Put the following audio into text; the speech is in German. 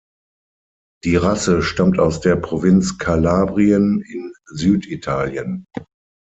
Die Rasse stammt aus der Provinz Kalabrien in Süditalien.